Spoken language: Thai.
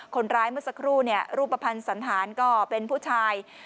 คนร้ายเมื่อสักครู่รูปภัณฑ์สันธารก็เป็นผู้ชาย